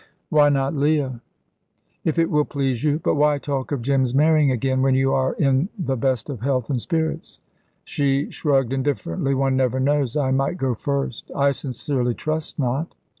"Why not Leah?" "If it will please you. But why talk of Jim's marrying again, when you are in the best of health and spirits?" She shrugged indifferently. "One never knows, I might go first." "I sincerely trust not."